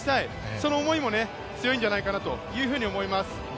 その思いも強いんじゃないかなと思います。